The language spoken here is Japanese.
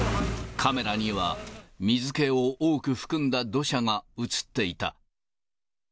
カメラには水けを多く含んだ土砂が写っていた。